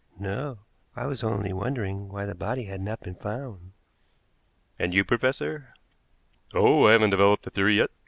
"No; I was only wondering why the body had not been found." "And you, professor?" "Oh, I haven't developed a theory yet!